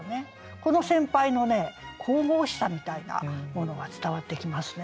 この先輩のね神々しさみたいなものが伝わってきますね。